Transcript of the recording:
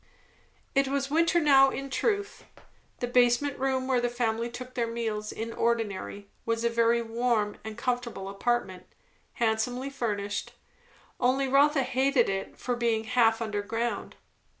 It was winter now in truth. The basement room where the family took their meals in ordinary, was a very warm and comfortable apartment; handsomely furnished; only Rotha always hated it for being half underground.